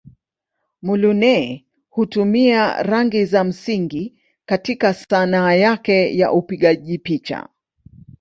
Muluneh hutumia rangi za msingi katika Sanaa yake ya upigaji picha.